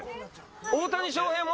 大谷翔平も？